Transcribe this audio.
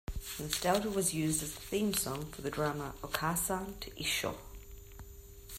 "Nostalgia" was used as the theme song for the drama Okaasan to Issho".